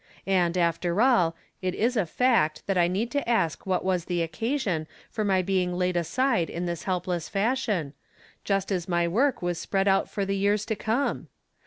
And after all, it is a fact that I need to ask what was the occasion for my being laid aside in this helpless fashion, just as my work was spread out for the years to come